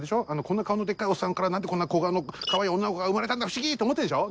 こんな顔のデッカいおっさんから何でこんな小顔のかわいい女の子が生まれたんだ不思議！って思ってんでしょ？